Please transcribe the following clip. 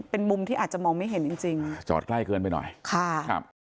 เป็นมุมที่อาจจะมองไม่เห็นจริงจริงอ่ะจอดใกล้เกินไปหน่อยค่ะครับ